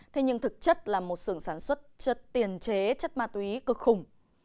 thế nhưng thực chất là một sưởng sản xuất tiền chế chất ma túy cực khủng